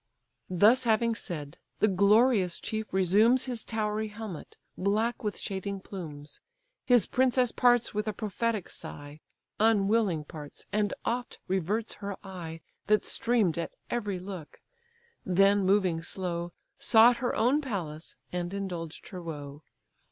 Thus having said, the glorious chief resumes His towery helmet, black with shading plumes. His princess parts with a prophetic sigh, Unwilling parts, and oft reverts her eye That stream'd at every look; then, moving slow, Sought her own palace, and indulged her woe.